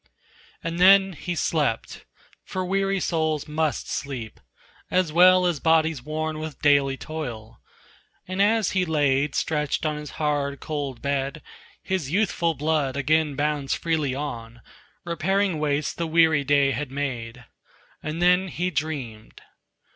And then he slept for weary souls must sleep, As well as bodies worn with daily toil; And as he lay stretched on his hard, cold bed, His youthful blood again bounds freely on, Repairing wastes the weary day had made. And then he dreamed.